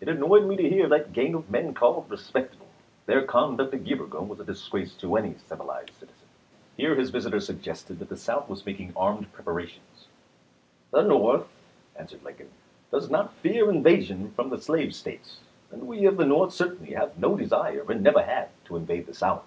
It annoyed me to hear that gang of men called respectable. Their conduct a year ago was a disgrace to any civilized citizen." Here his visitor suggested that the South was making armed preparations. 282 ABRAHAM LINCOLN J. G. N., Personal Memoran da. MS. " The North," answered Lincoln, " does not fear invasion from the slave States, and we of the North certainly have no desire, and never had, to invade the South.